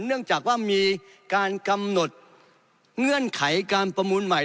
เนื่องจากว่ามีการกำหนดเงื่อนไขการประมูลใหม่